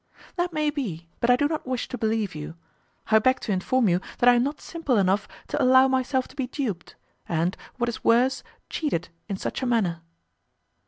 "That may be, but I do not wish to believe you. I beg to inform you that I am not simple enough to allow myself to be duped, and, what is worse, cheated in such a manner."